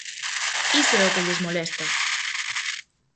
¡Iso é o que lles molesta!